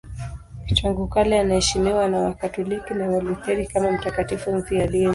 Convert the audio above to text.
Tangu kale anaheshimiwa na Wakatoliki na Walutheri kama mtakatifu mfiadini.